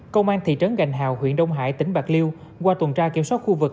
công an thị trấn gành hào huyện đông hải tỉnh bạc liêu qua tuần tra kiểm soát khu vực